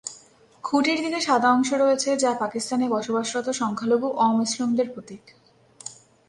খুঁটির দিকে সাদা অংশ রয়েছে, যা পাকিস্তানে বসবাসরত সংখ্যালঘু অমুসলিমদের প্রতীক।